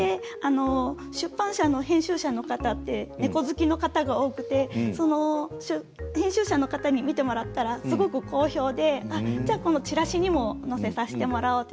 出版社の編集者の方って猫好きの方が多くて編集者の方に見てもらったらすごく好評でちらしにも載せさせてもらおうと。